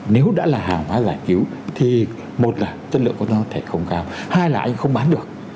nếu đã là hàng hóa giải cứu thì một là chất lượng của nó có thể không cao hai là anh không bán được